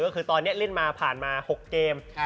ก็คือตอนนี้เล่นมาผ่านมา๖เกม